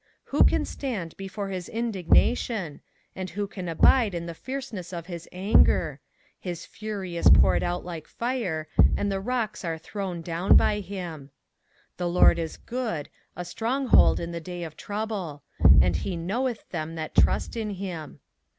1:6 Who can stand before his indignation? and who can abide in the fierceness of his anger? his fury is poured out like fire, and the rocks are thrown down by him. 1:7 The LORD is good, a strong hold in the day of trouble; and he knoweth them that trust in him.